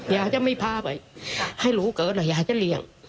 ย่าจะไม่พาไปให้หลูเกิดล่ะย่าจะเลี่ยง